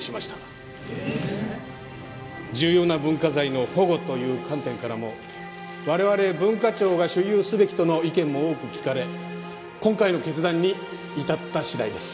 重要な文化財の保護という観点からも我々文化庁が所有すべきとの意見も多く聞かれ今回の決断に至った次第です。